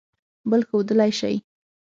بل ښودلئ شی